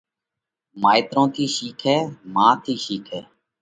مائيترون ٿِي شِيکئه۔ مان ٿِي شِيکئه۔